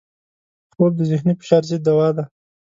خوب د ذهني فشار ضد دوا ده